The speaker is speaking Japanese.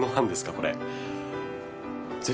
これ。